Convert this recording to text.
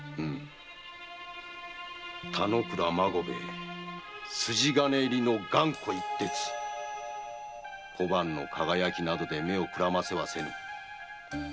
田之倉孫兵衛は筋金入りの頑固一徹小判の輝きなどでは目をくらませはせぬ。